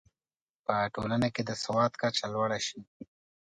په ټولنه کې د سواد کچه لوړه شي.